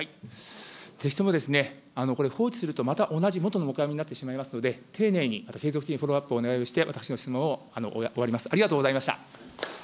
ぜひともこれ放置するとまた同じ、もとのもくあみになってしまいますので、丁寧に、また継続的にフォローアップをお願いをして私の質問を終わります。